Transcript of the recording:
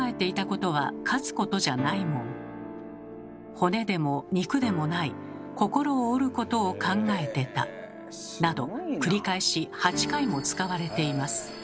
骨でも肉でもない心を折ることを考えてた」など繰り返し８回も使われています。